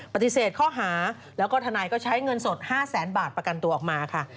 ปฏิเสธข้อหาแล้วก็ทนายก็ใช้เงินสด๕แสนบาทประกันตัวออกมาค่ะ